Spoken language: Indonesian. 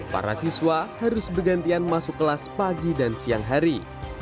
para siswa harus bergantian masuk kelas pagi dan siang hari